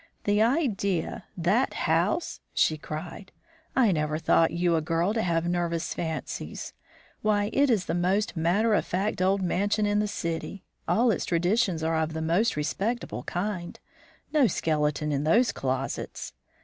"The idea! that house!" she cried. "I never thought you a girl to have nervous fancies. Why, it is the most matter of fact old mansion in the city. All its traditions are of the most respectable kind; no skeleton in those closets!